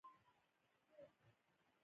افغانستان د دښتو په اړه څېړنې لري.